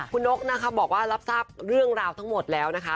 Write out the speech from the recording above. คุณนกนะคะบอกว่ารับทราบเรื่องราวทั้งหมดแล้วนะคะ